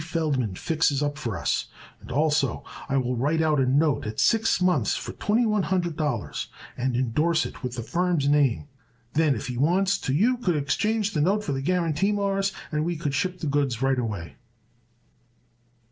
Feldman fixes up for us, and also I will write out a note at six months for twenty one hundred dollars and indorse it with the firm's name. Then if he wants to you could exchange the note for the guarantee, Mawruss, and we could ship the goods right away."